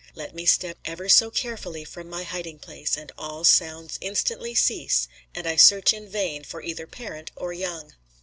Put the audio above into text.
Let me step never so carefully from my hiding place, and all sounds instantly cease, and I search in vain for either parent or young.